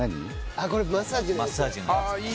あっこれマッサージのやつああ